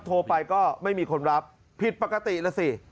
โทรไปก็ไม่มีคนรับผิดปกติแล้วสิ